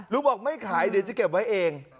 ลูกบอกไม่ขายเดี๋ยวจะเก็บไว้เอง